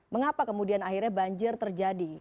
mengapa kemudian akhirnya banjir terjadi